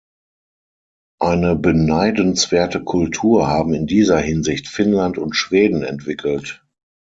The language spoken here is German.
Eine beneidenswerte Kultur haben in dieser Hinsicht Finnland und Schweden entwickelt.